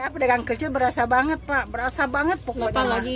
pedagang kecil berasa banget pak berasa banget pokoknya lagi